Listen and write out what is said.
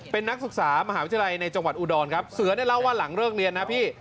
เป็นนักศึกษามหาวิทยาลัยในจังหวัดอุดรครับเสือเนี่ยเล่าว่าหลังเลิกเรียนนะพี่